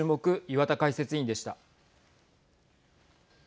岩田解説委員でした。